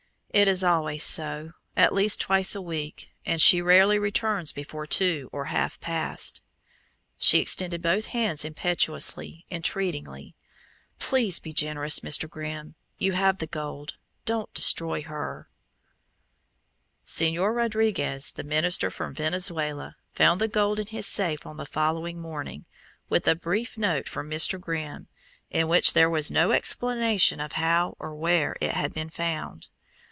"It is always so at least twice a week, and she rarely returns before two or half past." She extended both hands impetuously, entreatingly. "Please be generous, Mr. Grimm. You have the gold; don't destroy her." Señor Rodriguez, the minister from Venezuela, found the gold in his safe on the following morning, with a brief note from Mr. Grimm, in which there was no explanation of how or where it had been found....